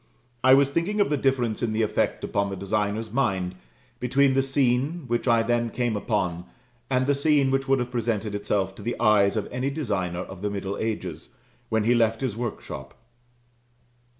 I was thinking of the difference in the effect upon the designer's mind, between the scene which I then came upon, and the scene which would have presented itself to the eyes of any designer of the middle ages, when he left his workshop.